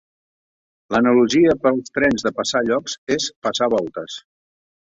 L'analogia per als trens de passar llocs és passar voltes.